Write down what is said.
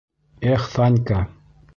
Эх, Танька!